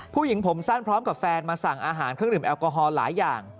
ผู้หญิงผมสั้นพร้อมกับแฟนมาสั่งอาหารเครื่องดื่มแอลกอฮอล์หลายอย่าง